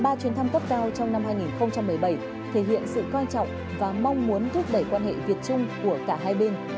ba chuyến thăm cấp cao trong năm hai nghìn một mươi bảy thể hiện sự coi trọng và mong muốn thúc đẩy quan hệ việt trung của cả hai bên